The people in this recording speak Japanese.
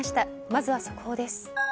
まずは速報です。